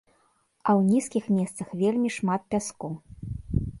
А ў нізкіх месцах вельмі шмат пяску.